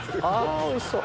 おいしそう！